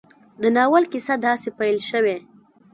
د ناول کيسه داسې پيل شوې